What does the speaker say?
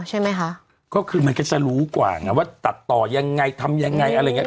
ใช่ไหมคะก็คือมันก็จะรู้กว่าไงว่าตัดต่อยังไงทำยังไงอะไรอย่างเง